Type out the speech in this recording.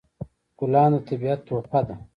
ګلان د طبیعت تحفه ده.